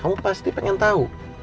kamu pasti pengen tau